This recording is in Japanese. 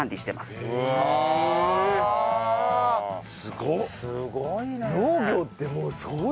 すごいね。